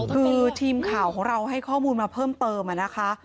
คือทีมข่าวของเราให้ข้อมูลมาเพิ่มเติมอะนะคะ